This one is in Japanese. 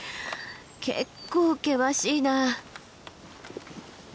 結構険しいな。